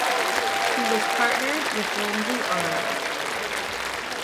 He was partnered with Lindsay Arnold.